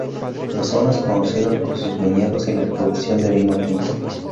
La zona es conocida por sus viñedos y la producción de vino tinto.